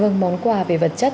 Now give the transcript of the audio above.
vâng món quà về vật chất